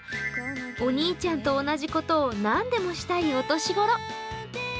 お兄ちゃんと同じことを何でもしたいお年頃。